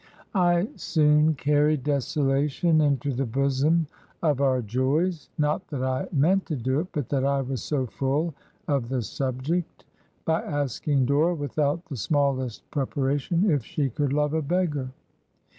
I soon carried desolation into the bosom of our joys — not that I meant to do it, but that I was so full of the subject — ^by asking Dora, without the smallest prepara tion, if she could love a beggar?